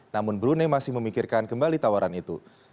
namun brunei masih memikirkan kembali tawaran itu